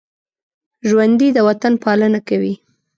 ژوندي د وطن پالنه کوي